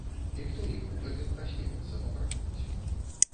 І хто іх у гэтым асмеліцца папракнуць?